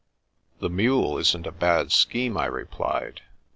" The mule isn't a bad scheme," I replied.